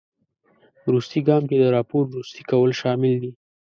وروستي ګام کې د راپور وروستي کول شامل دي.